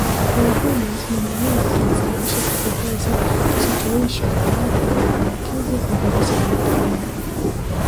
Kwa ujumla nimonia inasababisha kikozi kisichoisha kwa mtu mwenye maambukizi ya virusi vya Ukimwi